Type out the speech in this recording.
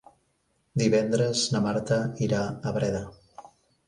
Divendres na Marta irà a Breda.